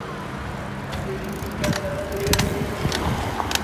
هەندێکی ترتان لەمە دەوێت؟